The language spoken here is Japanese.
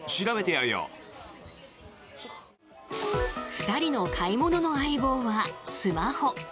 ２人の買い物の相棒はスマホ。